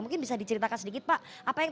mungkin bisa diceritakan sedikit pak apa yang